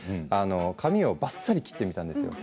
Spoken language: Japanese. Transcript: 髪をばっさり切ってみたんですよ。